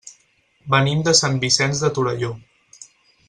Venim de Sant Vicenç de Torelló.